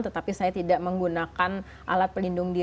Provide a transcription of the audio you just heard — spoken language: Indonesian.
tetapi saya tidak menggunakan alat pelindungi